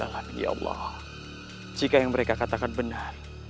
alhamdulillah ya allah jika yang mereka katakan benar